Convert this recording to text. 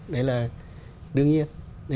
đấy là đương nhiên